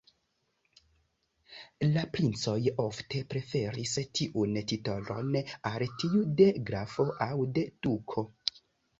La princoj ofte preferis tiun titolon al tiu de grafo aŭ de duko.